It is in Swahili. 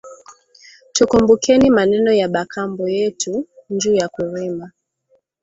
Tukumbukeni maneno ya ba kambo yetu nju ya kurima